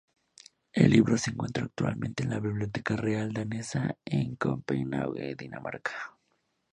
El libro se encuentra actualmente en la Biblioteca Real Danesa en Copenhague, Dinamarca.